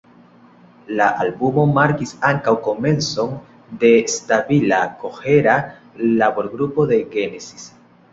La albumo markis ankaŭ komencon de stabila, kohera laborgrupo de Genesis.